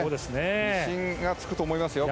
自信がつくと思いますよ。